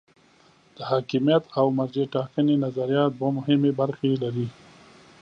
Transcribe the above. د حاکمیت او مرجع ټاکنې نظریه دوه مهمې برخې لري.